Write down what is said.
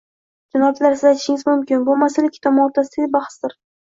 Janoblar, siz aytishingiz mumkinki, bu masala ikki tomon o'rtasidagi bahsdir